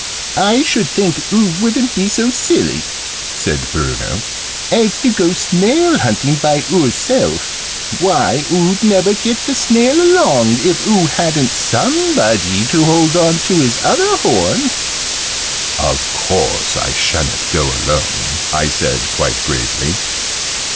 "I should think oo wouldn't be so silly," said Bruno, "as to go snail hunting by oor self. Why, oo'd never get the snail along, if oo hadn't somebody to hold on to his other horn!" "Of course I sha'n't go alone," I said, quite gravely.